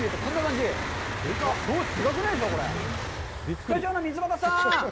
スタジオの溝端さん。